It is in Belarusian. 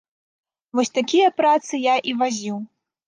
Вось такія працы я і вазіў.